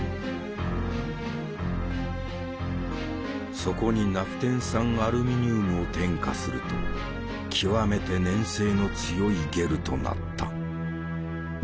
そこにナフテン酸アルミニウムを添加すると極めて粘性の強いゲルとなった。